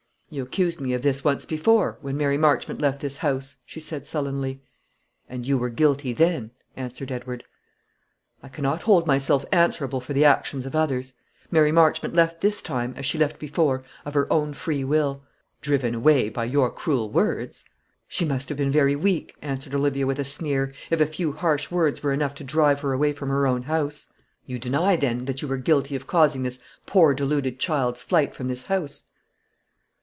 "You accused me of this once before, when Mary Marchmont left this house," she said sullenly. "And you were guilty then," answered Edward. "I cannot hold myself answerable for the actions of others. Mary Marchmont left this time, as she left before, of her own free will." "Driven away by your cruel words." "She must have been very weak," answered Olivia, with a sneer, "if a few harsh words were enough to drive her away from her own house." "You deny, then, that you were guilty of causing this poor deluded child's flight from this house?"